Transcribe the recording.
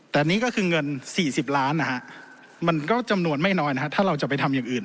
แต่นี่ก็คือเงิน๔๐ล้านนะฮะมันก็จำนวนไม่น้อยนะฮะถ้าเราจะไปทำอย่างอื่น